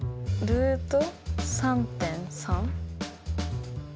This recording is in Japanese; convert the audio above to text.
ルート３．３？